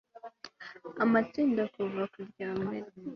amatsinda kuva ku rya mbere